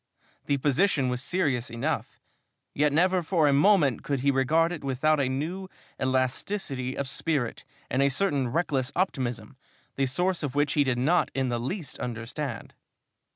The position was serious enough, yet never for a moment could he regard it without a new elasticity of spirit and a certain reckless optimism, the source of which he did not in the least understand.